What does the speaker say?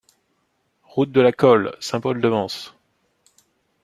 Route de la Colle, Saint-Paul-de-Vence